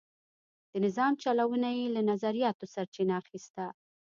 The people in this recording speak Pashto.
د نظام چلونه یې له نظریاتو سرچینه اخیسته.